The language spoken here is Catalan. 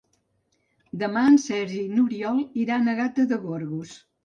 Demà en Sergi i n'Oriol iran a Gata de Gorgos.